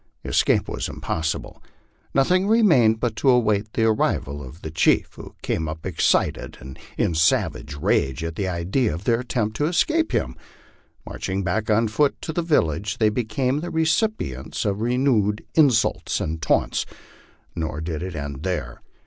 Escape was impossible. Nothing re mained but to await the arrival of the chief, who came up excited with sav age rage at the idea of their attempt to escape him. Marching back on foot to the village, they became the recipients of renewed insults and taunts. Nor did it end here.